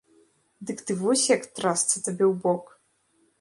Дык ты вось як, трасца табе ў бок!